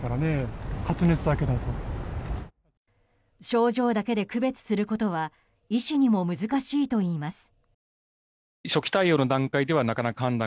症状だけで区別することは医師にも難しいといいます。